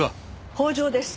北条です。